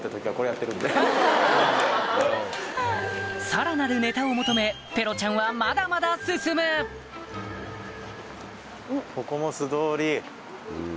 さらなるネタを求めペロちゃんはまだまだ進むん？